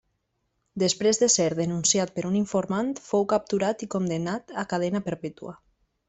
Després de ser denunciat per un informant, fou capturat i condemnat a cadena perpètua.